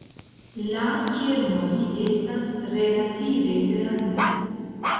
La kernoj estas relative grandaj.